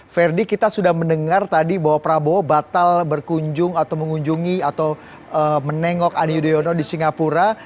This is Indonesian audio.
ferdi kita sudah mendengar tadi bahwa prabowo batal berkunjung atau mengunjungi atau menengok ani yudhoyono di singapura